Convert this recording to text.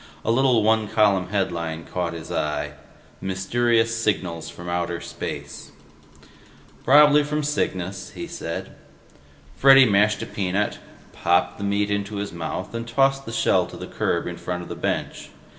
A little one column headline caught his eye: MYSTERIOUS SIGNALS FROM OUTER SPACE "Probably from Cygnus," he said. Freddy mashed a peanut, popped the meat into his mouth, and tossed the shell to the curb in front of his bench.